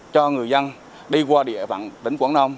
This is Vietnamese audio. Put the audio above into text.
cho người dân đi qua địa phận tỉnh quảng nam